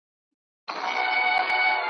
چي د بل لپاره ورور وژني په تور کي ,